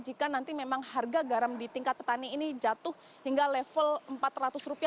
jika nanti memang harga garam di tingkat petani ini jatuh hingga level rp empat ratus